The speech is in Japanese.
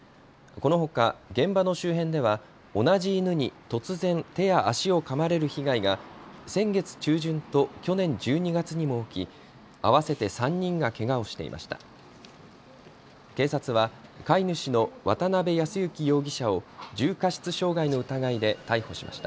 このほか現場の周辺では同じ犬に突然、手や足をかまれる被害が先月中旬と去年１２月にも起き、合わせて３人がけがをしていました。